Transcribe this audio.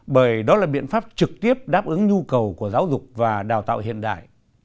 bởi đó là biện pháp trực tiếp đáp ứng nhu cầu của giáo dục và đào tạo hiện đại